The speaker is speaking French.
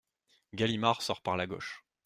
Galimard sort par la gauche.